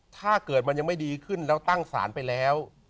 ถ้าเกิดมันยังไม่ดีขึ้นแล้วตั้งศาลไปแล้ว